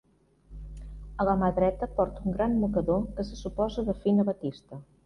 A la mà dreta porta un gran mocador que se suposa de fina batista.